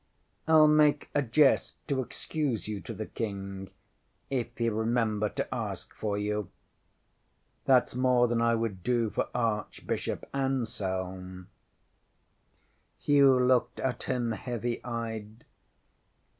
IŌĆÖll make a jest to excuse you to the King if he remember to ask for you. ThatŌĆÖs more than I would do for Archbishop Anselm.ŌĆØ ŌĆśHugh looked at him heavy eyed.